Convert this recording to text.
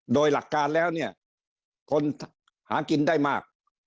โดยหลักการแล้วเนี่ยคนหากินได้มาก